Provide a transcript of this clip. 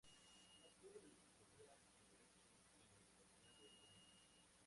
Obtuvo la licenciatura en Derecho en la Universidad de León.